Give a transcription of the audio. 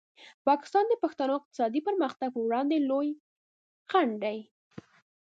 پاکستان د پښتنو د اقتصادي پرمختګ په وړاندې لوی خنډ دی.